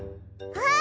あっ！